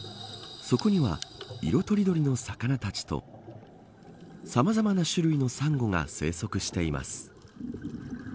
そこには、色とりどりの魚たちとさまざまな種類のサンゴが生息しています。